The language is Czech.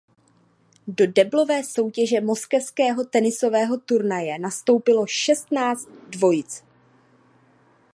Do deblové soutěže moskevského tenisového turnaje nastoupilo šestnáct dvojic.